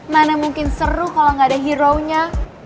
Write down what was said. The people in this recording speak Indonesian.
mana mungkin seru kalau gak ada hero nya